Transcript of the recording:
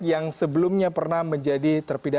yang sebelumnya pernah menjadi terpidana